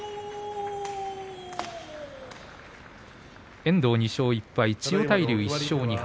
遠藤２勝１敗、千代大龍１勝２敗。